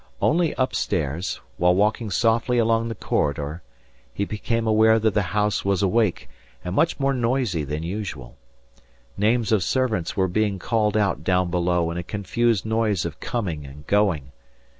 Only upstairs, while walking softly along the corridor, he became aware that the house was awake and much more noisy than usual. Names of servants were being called out down below in a confused noise of coming and going.